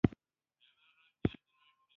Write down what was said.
سړی باید داسې کار وکړي چې ځان خطر ته ونه اچوي